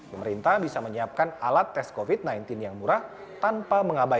pemerintah bisa menyiapkan alat tes covid sembilan belas yang murah tanpa mengabaikan